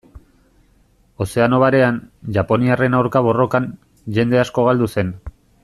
Ozeano Barean, japoniarren aurka borrokan, jende asko galdu zen.